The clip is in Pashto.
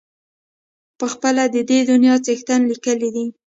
پخپله د دې دنیا څښتن لیکلی دی.